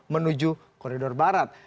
menuju koridor barat